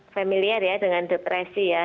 familiar ya dengan depresi ya